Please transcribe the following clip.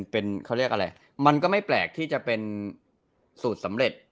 เป็นเขาเรียกอะไรมันก็ไม่แปลกที่จะเป็นสูตรสำเร็จ